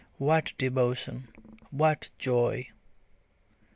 what devotion! what joy!